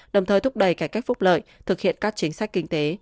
đồng thời thúc đẩy cải cách phúc lợi thực hiện các chính sách kinh tế